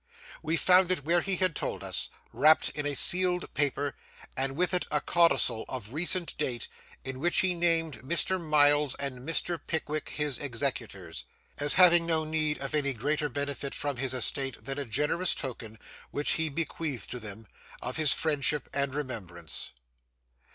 We found it where he had told us, wrapped in a sealed paper, and with it a codicil of recent date, in which he named Mr. Miles and Mr. Pickwick his executors,—as having no need of any greater benefit from his estate than a generous token (which he bequeathed to them) of his friendship and remembrance.